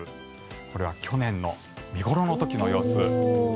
これは去年の見頃の時の様子。